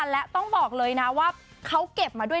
และต้องบอกเลยนะว่าเขาเก็บมาด้วย